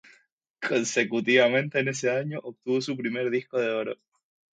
Consecutivamente en ese año obtuvo su primer disco de oro.